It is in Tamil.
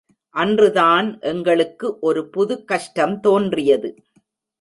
அன்றுதான் எங்களுக்கு ஒரு புது கஷ்டம் தேன்றியது!